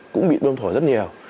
cũng bị bơm thổi rất nhiều